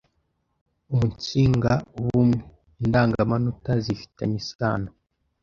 “umunsinga ubumwe” Indangamanota zifi tanye isano